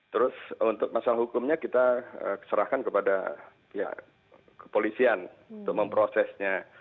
terus untuk masalah hukumnya kita serahkan kepada pihak kepolisian untuk memprosesnya